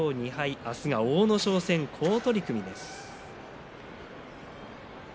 明日は阿武咲戦、好取組です。